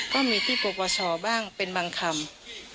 ก็มีที่ปปชบ้างเป็นบางคำ